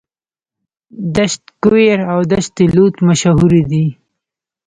دشت کویر او دشت لوت مشهورې دي.